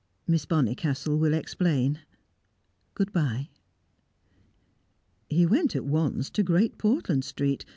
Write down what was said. Miss Bonnicastle will explain. Good bye!" He went at once to Great Portland Street.